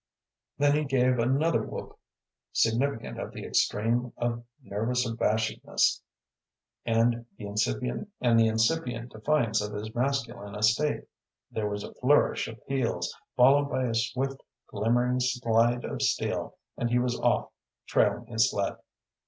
Then he gave another whoop significant of the extreme of nervous abashedness and the incipient defiance of his masculine estate, there was a flourish of heels, followed by a swift glimmering slide of steel, and he was off trailing his sled.